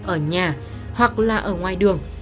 ở nhà hoặc là ở ngoài đường